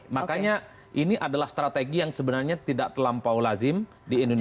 makanya ini adalah strategi yang sebenarnya tidak terlampau lazim di indonesia